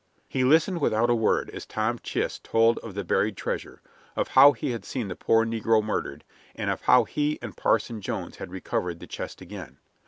He listened without a word as Tom Chist told of the buried treasure, of how he had seen the poor negro murdered, and of how he and Parson Jones had recovered the chest again.